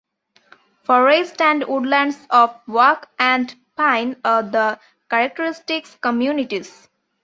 Forests and woodlands of oak and pine are the characteristic communities.